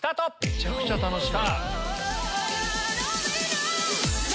めちゃくちゃ楽しみ！